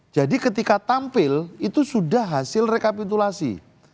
jadi ketika tampil itu sudah hasil rekapitulasi